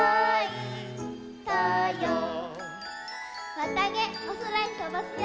わたげおそらへとばすよ！